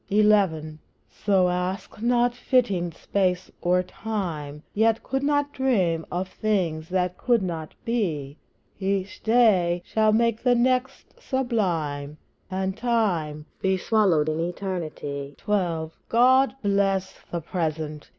XI. So ask not fitting space or time, Yet could not dream of things which could not be; Each day shall make the next sublime, And Time be swallowed in Eternity. XII. God bless the Present!